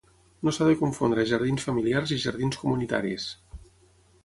No s'ha de confondre jardins familiars i jardins comunitaris.